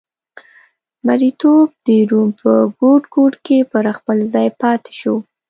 مریتوب د روم په ګوټ ګوټ کې پر خپل ځای پاتې شو